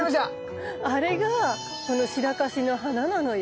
あれがシラカシの花なのよ。